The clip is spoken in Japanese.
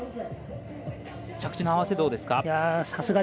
着地の合わせどうですか？